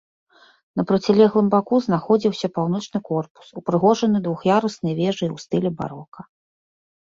На процілеглым баку знаходзіўся паўночны корпус, упрыгожаны двух'яруснай вежай у стылі барока.